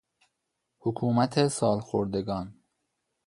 حکومت سالخوردگان